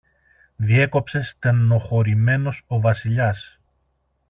διέκοψε στενοχωρεμένος ο Βασιλιάς.